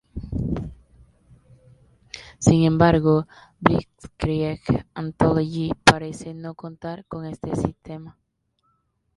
Sin embargo, Blitzkrieg Anthology parece no contar con este sistema.